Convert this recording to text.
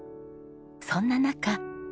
そんな中。